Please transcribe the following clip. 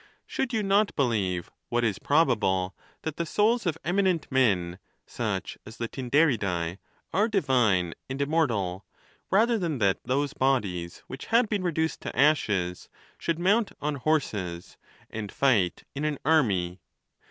Should you not believe, what is probable, that the souls of eminent men, such as the Tyndaridse, are divine and immortal, rather than that those bodies which had been reduced to ashes should mount on horses, and fight in an army